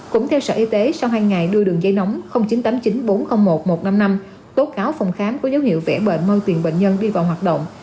cũng theo sở y tế sau hai ngày đưa đường dây nóng chín tám chín bốn không một một năm năm tố cáo phòng khám có dấu hiệu vẽ bệnh môi tiền bệnh nhân đi vào hoạt động